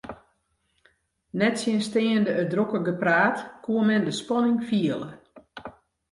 Nettsjinsteande it drokke gepraat koe men de spanning fiele.